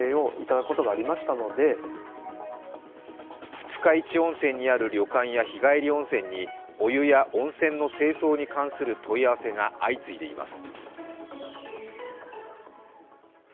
二日市温泉にある旅館や日帰り温泉にお湯や温泉の清掃に関する問い合わせが相次いでいます。